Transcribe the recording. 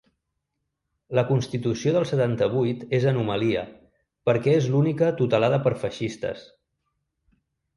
La constitució del setanta-vuit és anomalia, perquè és l’única tutelada per feixistes.